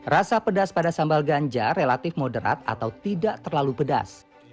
rasa pedas pada sambal ganja relatif moderat atau tidak terlalu pedas